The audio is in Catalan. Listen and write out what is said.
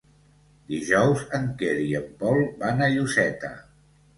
Dijous en Quer i en Pol van a Lloseta.